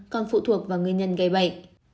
còn phụ thuộc vào người nhân gây bệnh